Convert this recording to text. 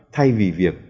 thay vì việc